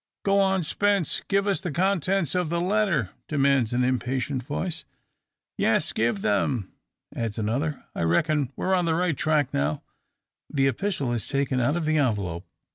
"Go on, Spence! Give us the contents of the letter!" demands an impatient voice. "Yes, give them!" adds another. "I reckon we're on the right track now." The epistle is taken out of the envelope.